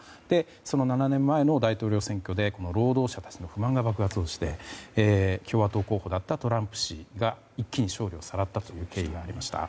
その７年前の大統領選挙で労働者たちの不満が爆発して共和党候補だったトランプ氏が一気に票をさらった経緯がありました。